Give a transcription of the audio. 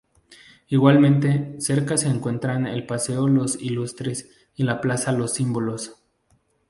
Igualmente cerca se encuentran el Paseo Los Ilustres y la plaza Los Símbolos.